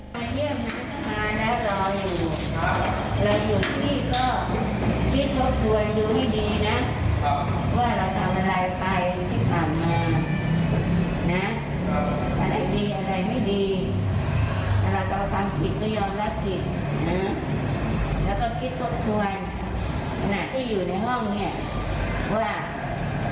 มาเยี่ยมนะมาแล้วรออยู่เราอยู่ที่นี่ก็คิดทบทวนดูให้ดีนะ